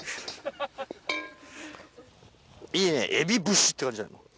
いいねエビ節って感じじゃない。